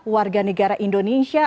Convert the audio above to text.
warga negara indonesia